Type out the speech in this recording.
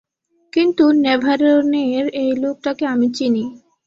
কিন্তু ন্যাভারোনের এই লোকটাকে আমি চিনি!